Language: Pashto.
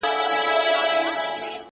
سیاه پوسي ده؛ رنگونه نسته؛